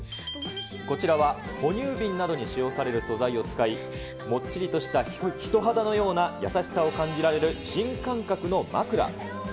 こちらは哺乳瓶などに使用される素材を使い、もっちりとした人肌のような優しさを感じられる新感覚の枕。